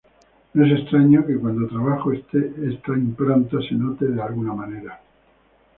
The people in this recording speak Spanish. No es extraño que cuando trabajo esta impronta se note de alguna manera".